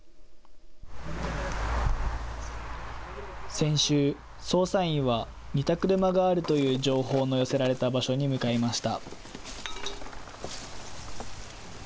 先週、捜査員は似た車があるという情報の寄せられた場所に向かいました。